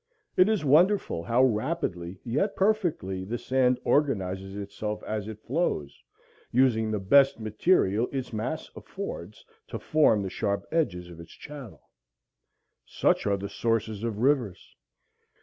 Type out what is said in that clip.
It is wonderful how rapidly yet perfectly the sand organizes itself as it flows, using the best material its mass affords to form the sharp edges of its channel. Such are the sources of rivers.